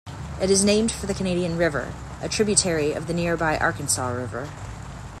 It is named for the Canadian River, a tributary of the nearby Arkansas River.